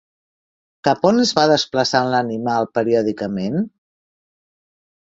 Cap on es va desplaçant l'animal periòdicament?